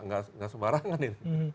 nggak sembarangan ini